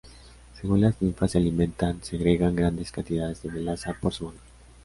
Según las ninfas se alimentan, segregan grandes cantidades de melaza por su ano.